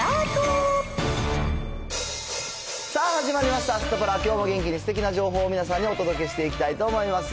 さあ始まりました、サタプラ、きょうも元気にすてきな情報を皆さんにお届けしていきたいと思います。